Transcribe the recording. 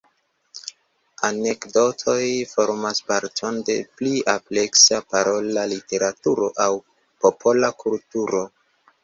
Anekdotoj formas parton de pli ampleksa parola literaturo aŭ popola kulturo.